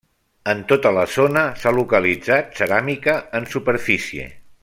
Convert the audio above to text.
En tota la zona s'ha localitzat ceràmica en superfície.